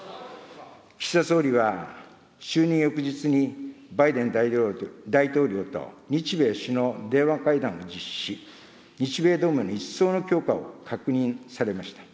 岸田総理は就任翌日に、バイデン大統領と日米首脳電話会談を実施し、日米同盟の一層の強化を確認されました。